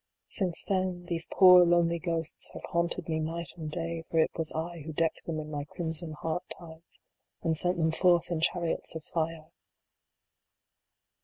Since then, these poor lonely ghosts have haunted me night and day, for it was I who decked them in my crimson heart tides, and sent them forth in chariots of fire.